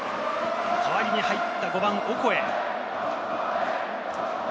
代わりに入った５番・オコエ。